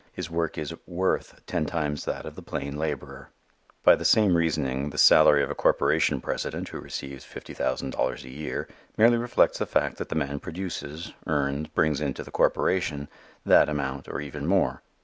His work is "worth" ten times that of the plain laborer. By the same reasoning the salary of a corporation president who receives fifty thousand dollars a year merely reflects the fact that the man produces earns brings in to the corporation that amount or even more.